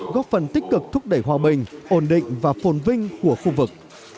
góp phần tích cực thúc đẩy hòa bình ổn định và phồn vinh của khu vực